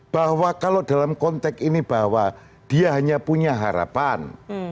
bahwa kalau dalam konteks ini bahwa dia hanya punya harapan